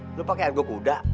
udah pake argo kuda